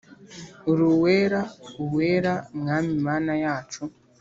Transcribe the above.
Uri Uwera Uwera ,Mwami Mana yacu